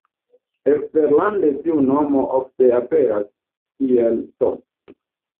Eksterlande tiu nomo ofte aperas kiel Tot.